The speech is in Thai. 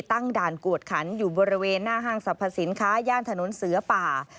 ตั้งด่านกวดขันอยู่บริเวณหน้าห้างสรรพสินค้าย่านถนนเสือป่า